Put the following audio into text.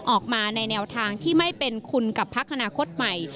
ออกมาในแนวทางที่ไม่เป็นคุณกับพักอนาคตใหม่